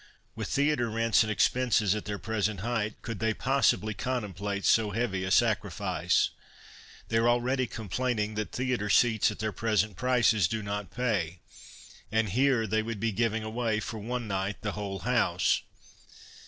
With theatre rents and expenses at their present height, could they possibly contemplate so heavy a sacrifice ? They arc already complaining that theatre scats at their present prices do not pay — and here they woidd be giving away, for one night, the whole house.